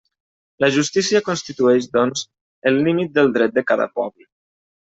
La justícia constitueix, doncs, el límit del dret de cada poble.